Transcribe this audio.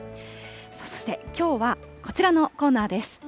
さあそして、きょうはこちらのコーナーです。